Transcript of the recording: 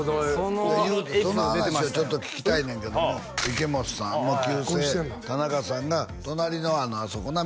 ここでその話をちょっと聞きたいねんけども池本さん旧姓田中さんが隣のあそこ